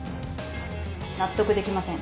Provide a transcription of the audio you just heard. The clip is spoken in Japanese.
納得できません。